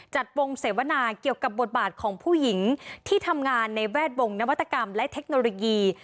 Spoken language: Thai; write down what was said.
จัดวงเสวนาเกี่ยวกับบทบาทของผู้หญิงที่ทำงานในแวดวงนวัตกรรมและเทคโนโลยี